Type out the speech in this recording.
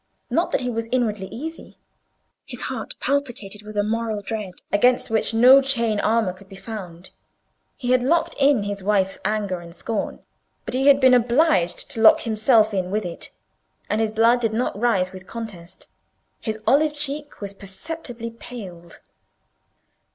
Not that he was inwardly easy: his heart palpitated with a moral dread, against which no chain armour could be found. He had locked in his wife's anger and scorn, but he had been obliged to lock himself in with it; and his blood did not rise with contest—his olive cheek was perceptibly paled.